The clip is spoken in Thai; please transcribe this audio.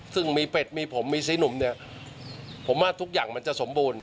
ซึ่งมีเป็ดมีผมมีสีหนุ่มเนี่ยผมว่าทุกอย่างมันจะสมบูรณ